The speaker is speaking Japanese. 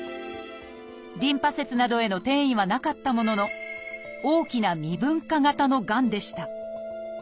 リンパ節などへの転移はなかったものの大きな未分化型のがんでした。